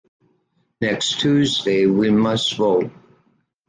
Next Tuesday we must vote.